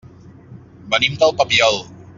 Venim del Papiol.